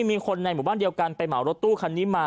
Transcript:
มีคนในหมู่บ้านเดียวกันไปเหมารถตู้คันนี้มา